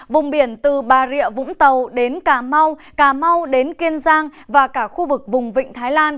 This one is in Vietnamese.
vùng biển từ bà rịa vũng tàu đến cà mau cà mau đến kiên giang và cả khu vực vùng vịnh thái lan